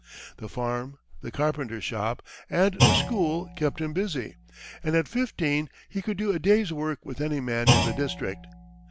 The farm, the carpenter's shop, and the school kept him busy, and at fifteen he could do a day's work with any man in the district.